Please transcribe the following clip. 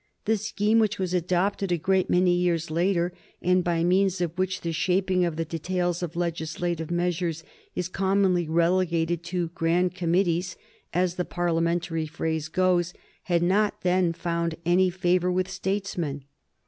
The scheme which was adopted a great many years later, and by means of which the shaping of the details of legislative measures is commonly relegated to Grand Committees, as the Parliamentary phrase goes, had not then found any favor with statesmen.